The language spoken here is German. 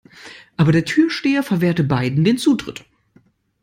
Aber der Türsteher verwehrte beiden den Zutritt.